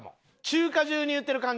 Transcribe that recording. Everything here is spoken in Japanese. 中華中に言うてる感じ。